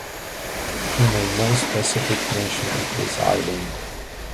He made no specific mention of this island.